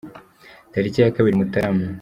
Tariki ya kabiri Mutarama